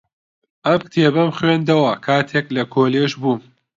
ئەم کتێبەم خوێندەوە کاتێک لە کۆلێژ بووم.